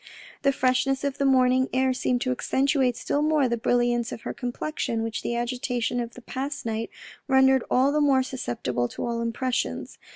The freshness of the morning air seemed to accentuate still more the brilliance of her complexion which the agitation of the past night rendered all the more sus ceptible to all impressions.